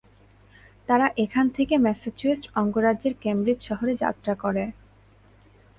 তারা এখান থেকে ম্যাসাচুসেটস অঙ্গরাজ্যের কেমব্রিজ শহরে যাত্রা করে।